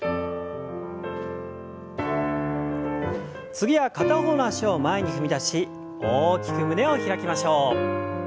次は片方の脚を前に踏み出し大きく胸を開きましょう。